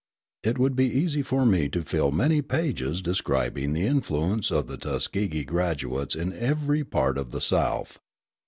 It would be easy for me to fill many pages describing the influence of the Tuskegee graduates in every part of the South.